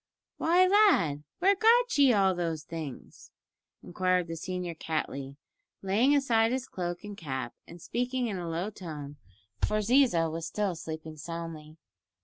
"Why, lad, where got ye all those things?" inquired the senior Cattley, laying aside his cloak and cap, and speaking in a low tone, for Ziza was still sleeping soundly.